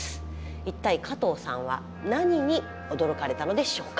一体加藤さんは何に驚かれたのでしょうか。